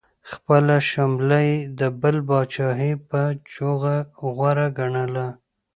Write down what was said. خپله شمله یې د بل د پاچاهۍ پر جوغه غوره ګڼله.